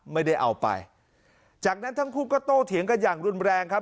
ไม่ได้เอาไปจากนั้นทั้งคู่ก็โตเถียงกันอย่างรุนแรงครับ